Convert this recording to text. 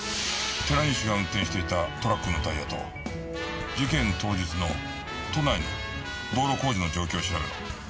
寺西が運転していたトラックのタイヤと事件当日の都内の道路工事の状況を調べろ。